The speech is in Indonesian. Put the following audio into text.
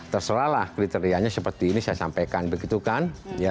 terus terlalu lah kriterianya seperti ini saya sampaikan begitu kan